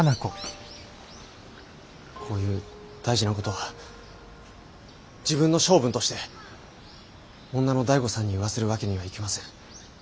こういう大事な事は自分の性分として女の醍醐さんに言わせる訳にはいきません。